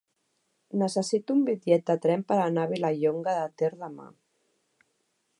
Necessito un bitllet de tren per anar a Vilallonga de Ter demà.